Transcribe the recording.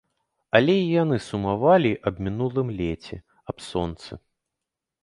Але і яны сумавалі аб мінулым леце, аб сонцы.